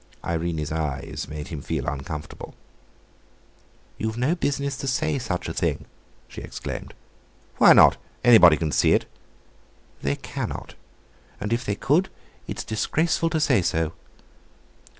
Irene's eyes made him feel uncomfortable. "You've no business to say such a thing!" she exclaimed. "Why not? Anybody can see it." "They cannot. And if they could, it's disgraceful to say so."